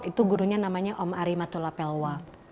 itu gurunya namanya om arimatullah pelwa